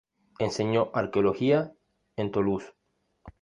Enseñó arqueología en Toulouse.